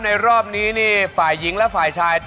รอบนี้นี่ฝ่ายหญิงและฝ่ายชาย